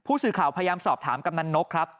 ผู้สื่อข่าวพยายามสอบถามกำนันนกครับ